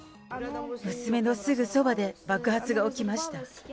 娘のすぐそばで爆発が起きました。